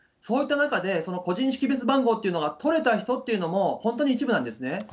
そういった中で、個人識別番号というのが取れた人っていうのも、本当に一部なんですね。